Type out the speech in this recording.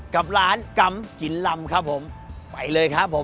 กับร้านกำกินลำครับผมไปเลยครับผม